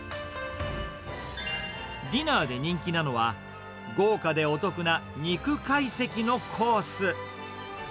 ディナーで人気なのは、豪華でお得な肉懐石のコース。